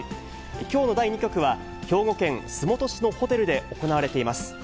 きょうの第２局は、兵庫県洲本市のホテルで行われています。